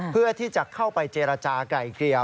เพื่อที่จะเข้าไปเจรจาไก่เกลี่ย